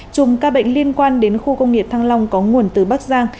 chùm ca bệnh liên quan đến khu công nghiệp thăng long có nguồn từ bắc giang